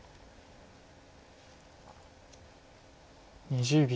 ２０秒。